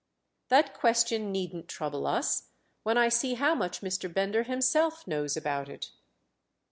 "That question needn't trouble us—when I see how much Mr. Bender himself knows about it."